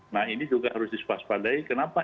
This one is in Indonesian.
nah ini juga harus disepas padai kenapa